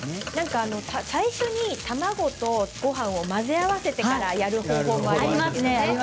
最初に卵とごはんを混ぜ合わせてからやる方法もありますよね。